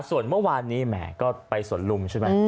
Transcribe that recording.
ส่วนเมื่อวานนี้แหมก็ไปสวนลุมใช่ไหม